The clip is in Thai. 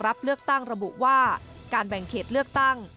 รับเลือกตั้งระบุว่าการแบ่งเขตเลือกตั้ง